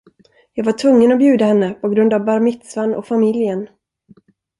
Jag var tvungen att bjuda henne på grund av bar mitzvahn och familjen.